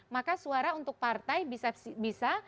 maka suara untuk partai bisa